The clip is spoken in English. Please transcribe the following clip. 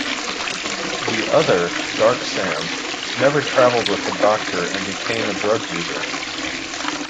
The other, "Dark Sam", never travelled with the Doctor and became a drug user.